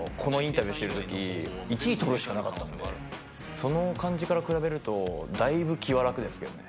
その感じから比べるとだいぶ気は楽ですけどね。